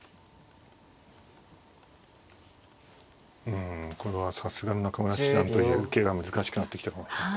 うんこれはさすがの中村七段とはいえ受けが難しくなってきたかもしれない。